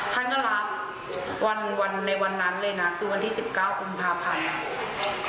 ท่านก็รับวันในวันนั้นเลยนะคือวันที่๑๙กุมภาพันธ์นะครับ